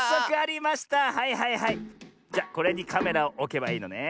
じゃこれにカメラをおけばいいのね。